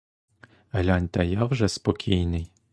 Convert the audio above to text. Гляньте, я вже спокійний.